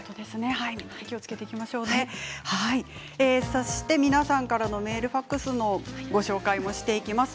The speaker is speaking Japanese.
そして皆さんからのメール、ファックスご紹介をしていきます。